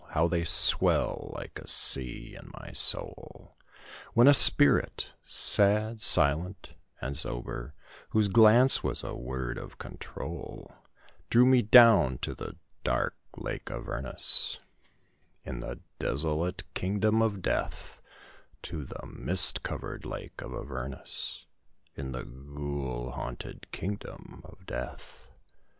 How they swell like a sea in my soul! When a spirit, sad, silent, and sober, Whose glance was a word of control, Drew me down to the dark Lake Avernus, In the desolate Kingdom of Death To the mist covered Lake of Avernus, In the ghoul haunted Kingdom of Death.